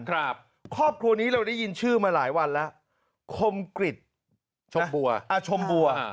ครอบครัวนี้เราได้ยินชื่อมาหลายวันแล้วคมกริจชมบัวชมบัว